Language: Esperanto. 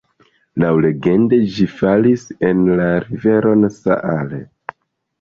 Laŭlegende ĝi falis en la riveron Saale.